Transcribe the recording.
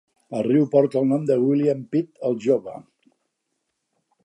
El riu porta el nom de William Pitt El Jove.